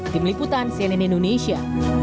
tim liputan cnn indonesia